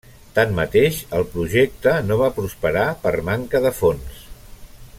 Tanmateix, el projecte no va prosperar per manca de fons.